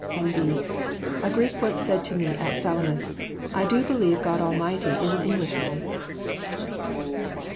(N.B. A Greek once said to me at Salamis, 'I do believe God Almighty is an Englishman.')"